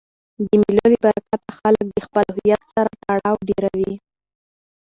د مېلو له برکته خلک د خپل هویت سره تړاو ډېروي.